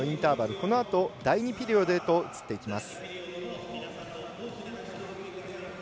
このあと、第２ピリオドへと移っていきます。